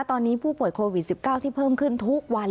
ตอนนี้ผู้ป่วยโควิด๑๙ที่เพิ่มขึ้นทุกวัน